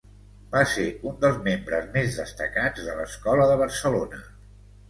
Va ser un dels membres més destacats de l'Escola de Barcelona.